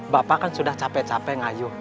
bapak kan sudah capek capek ngayu